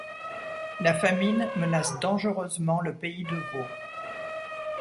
La famine menace dangereusement le Pays de Vaud.